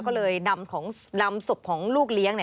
ก็เลยนำศพของลูกเลี้ยง